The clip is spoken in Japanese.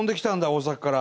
大阪から。